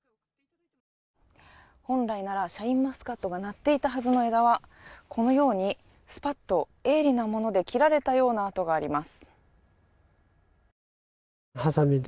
本来ならシャインマスカットがなっていたはずの枝はこのようにスパッと鋭利なもので切られたような跡があります。